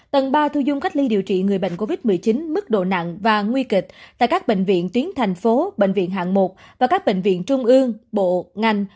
tầng ba thu dung cách ly điều trị người bệnh covid một mươi chín mức độ nặng và nguy kịch tại các bệnh viện tuyến thành phố bệnh viện hạng một và các bệnh viện trung ương bộ ngành